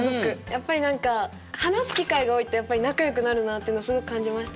やっぱり何か話す機会が多いとやっぱり仲よくなるなっていうのをすごく感じましたし。